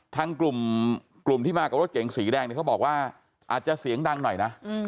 ทางกลุ่มที่มากับรถเก๋งสีแดงเนี่ยเขาบอกว่าอาจจะเสียงดังหน่อยนะ